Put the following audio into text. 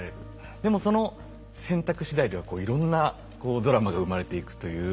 でもその選択しだいではこういろんなドラマが生まれていくという。